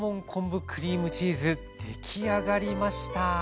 出来上がりました。